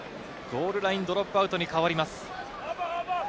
ゴールラインドロップアウトに変わります。